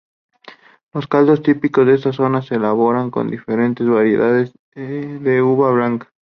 Los caldos típicos de esta zona se elaboran con diferentes variedades de uva blanca.